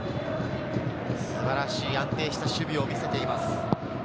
素晴らしい、安定した守備を見せています。